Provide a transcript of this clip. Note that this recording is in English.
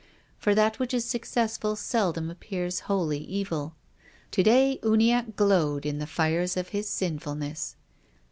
For that which is successful seldom appears wholly evil. To day Uniacke glowed in the fires of his sinfulness.